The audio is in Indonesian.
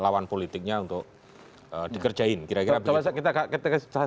lawan politiknya untuk dikerjain kira kira begitu